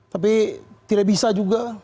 tapi tidak bisa juga